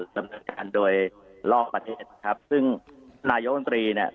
สำคัญโดยรอบประเทศครับซึ่งนายกลุ่มตรีเนี่ย